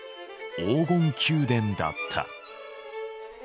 黄金宮殿だった。